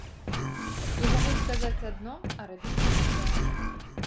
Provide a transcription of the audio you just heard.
І могуць казаць адно, а рабіць іншае.